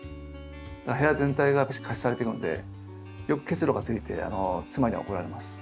部屋全体がやっぱし加湿されていくんでよく結露がついて妻には怒られます。